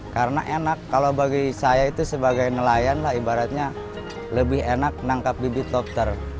karena enak kalau bagi saya itu sebagai nelayan lah ibaratnya lebih enak nangkap bibit dokter